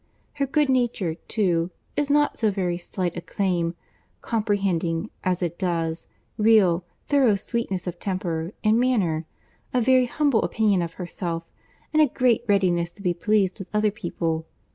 Her good nature, too, is not so very slight a claim, comprehending, as it does, real, thorough sweetness of temper and manner, a very humble opinion of herself, and a great readiness to be pleased with other people.